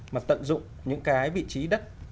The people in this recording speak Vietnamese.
mà tận dụng những cái vị trí đất